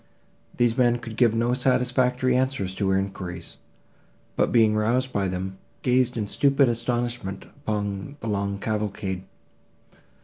These men could give no satisfactory answers to her enquiries, but, being roused by them, gazed in stupid astonishment upon the long cavalcade.